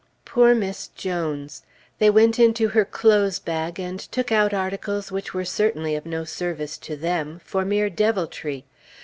Poor Miss Jones! They went into her clothes bag and took out articles which were certainly of no service to them, for mere deviltry.